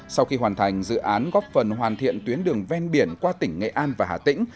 sau khi hoàn thành dự án góp phần hoàn thiện tuyến đường ven biển qua tỉnh nghệ an và hà tĩnh